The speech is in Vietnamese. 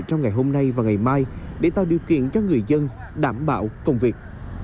trong ngày hôm nay và ngày mai để tạo điều kiện cho người dân đảm bảo công việc